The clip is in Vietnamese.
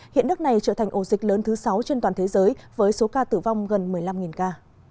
hiện nước này trở thành ổ dịch lớn thứ sáu trên toàn thế giới với số ca tử vong gần một mươi năm ca